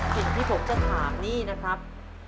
สิ่งที่ผมจะถามนี่นะครับ